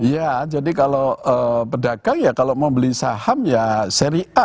ya jadi kalau pedagang ya kalau mau beli saham ya seri a